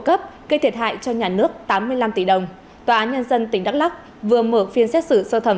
cấp gây thiệt hại cho nhà nước tám mươi năm tỷ đồng tòa án nhân dân tỉnh đắk lắc vừa mở phiên xét xử sơ thẩm